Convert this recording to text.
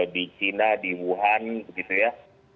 di china di wuhan begitu ya